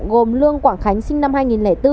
gồm lương quảng khánh sinh năm hai nghìn bốn